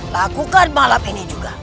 lakukan malam ini juga